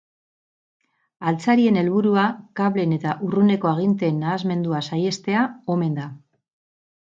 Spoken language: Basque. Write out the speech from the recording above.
Altzarien helburua kableen eta urruneko aginteen nahasmendua saihestea omen da.